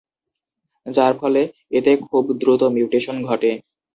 যার ফলে এতে খুব দ্রুত মিউটেশন ঘটে।